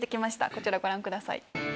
こちらご覧ください。